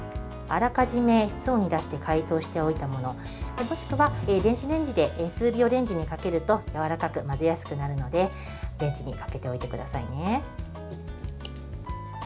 あらかじめ、室温に出して解凍しておいたもの。もしくは電子レンジで数秒レンジにかけるとやわらかく混ぜやすくなるのでレンジにかけておいてくださいね。